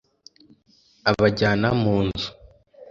abajyana mu nzu